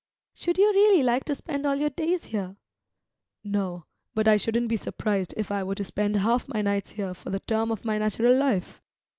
"Should you really like to spend all your days here?" "No; but I shouldn't be surprised if I were to spend half my nights here for the term of my natural life!